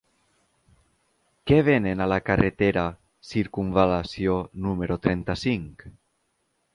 Què venen a la carretera Circumval·lació número trenta-cinc?